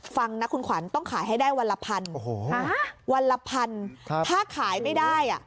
ฟังนะคุณขวัญต้องขายให้ได้วันละพันวันละพันถ้าขายไม่ได้อ่ะ